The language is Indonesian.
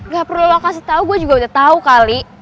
gak perlu lo kasih tau gue juga udah tahu kali